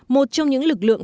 một trong những lực lượng